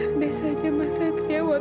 andai saja mas satria wak